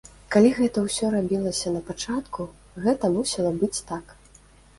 Калі гэта ўсё рабілася на пачатку, гэта мусіла быць так.